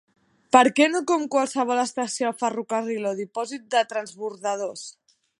Per què no com qualsevol estació de ferrocarril o dipòsit de transbordadors.